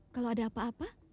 kalau ada apa apa